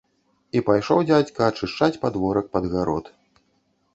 І пайшоў дзядзька ачышчаць падворак пад гарод.